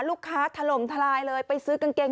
ถล่มทลายเลยไปซื้อกางเกง